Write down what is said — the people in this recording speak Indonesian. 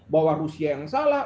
bahwa rusia yang salah